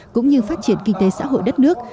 cũng như phát triển kinh tế xã hội đất nước